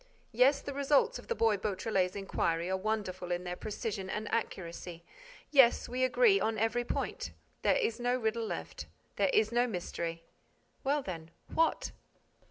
Yes, the results of the boy Beautrelet's inquiry are wonderful in their precision and accuracy. Yes, we agree on every point. There is no riddle left. There is no mystery. Well, then, what?